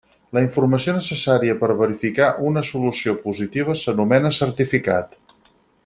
La informació necessària per verificar una solució positiva s'anomena certificat.